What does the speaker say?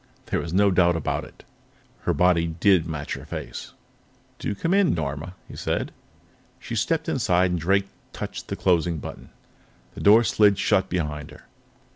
There was no doubt about it, her body did match her face. "Do come in, Norma," he said. She stepped inside, and Drake touched the closing button. The door slid shut behind her.